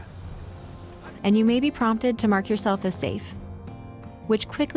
dan anda mungkin dipercepat untuk menetapkan diri anda sebagai aman